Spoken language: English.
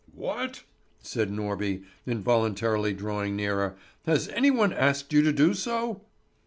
"What?" said Norby, involuntarily drawing nearer. "Has any one asked you to do so?"